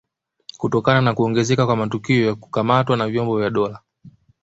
Kutokana na kuongezeka kwa matukio ya kukamatwa na vyombo vya dola